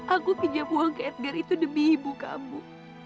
aku pinjam uang ke edgar itu demi ibu kamu